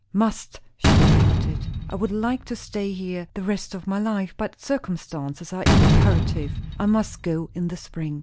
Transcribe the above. "Must," she repeated. "I would like to stay here the rest of my life; but circumstances are imperative. I must go in the spring."